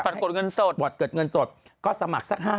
ปัดกดเงินสดปัดกดเงินสดก็สมัครสัก๕ใบ